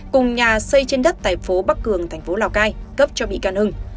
cùng nhà xây trên đất tại phố bắc cường tp lào cai cấp cho bị can hưng